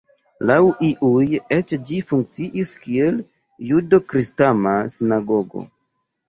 Laŭ iuj eĉ ĝi funkciis kiel judo-kristama sinagogo.